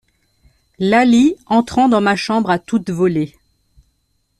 Laly entrant dans ma chambre à toute volée.